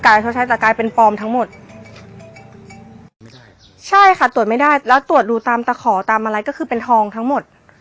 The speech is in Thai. เขาใช้แต่กลายเป็นปลอมทั้งหมดไม่ใช่ใช่ค่ะตรวจไม่ได้แล้วตรวจดูตามตะขอตามอะไรก็คือเป็นทองทั้งหมด